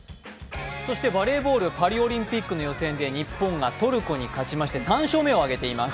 そしてバレーボールパリオリンピック予選で日本がトルコに勝ちまして３勝目を挙げています。